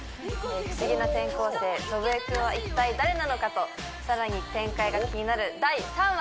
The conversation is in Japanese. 不思議な転校生祖父江君は一体誰なのかと更に展開が気になる第３話！